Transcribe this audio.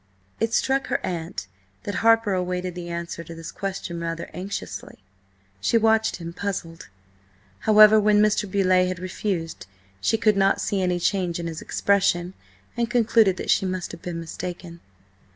It struck her aunt that Harper awaited the answer to this question rather anxiously. She watched him, puzzled. However, when Mr. Beauleigh had refused she could not see any change in his expression, and concluded that she must have been mistaken.